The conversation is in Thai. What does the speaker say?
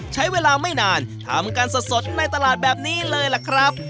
ใช้เวลาไม่นานทำกันสดในตลาดแบบนี้เลยล่ะครับ